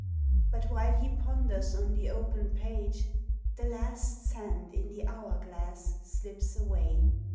But while he ponders on the open page, The last sand in the hour glass slips away.